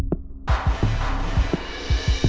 ไม่ใช่อ่ะมันลงร่างสกตร์